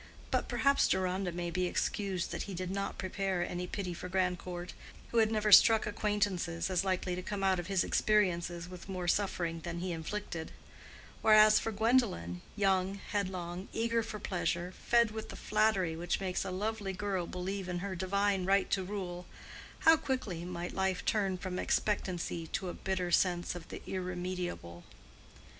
But perhaps Deronda may be excused that he did not prepare any pity for Grandcourt, who had never struck acquaintances as likely to come out of his experiences with more suffering than he inflicted; whereas, for Gwendolen, young, headlong, eager for pleasure, fed with the flattery which makes a lovely girl believe in her divine right to rule—how quickly might life turn from expectancy to a bitter sense of the irremediable!